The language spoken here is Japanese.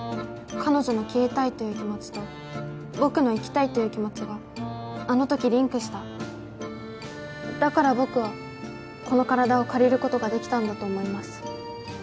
彼女の消えたいという気持ちと僕の生きたいという気持ちがあのときリンクしただから僕はこの体を借りることができたんだと思います